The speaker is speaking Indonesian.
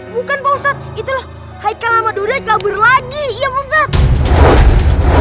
bukan posat itulah hai kalama dode kabur lagi ya ustadz